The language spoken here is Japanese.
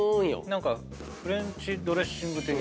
何かフレンチドレッシング的な。